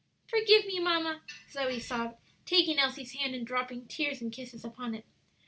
"Forgive me, mamma," Zoe sobbed, taking Elsie's hand and dropping tears and kisses upon it.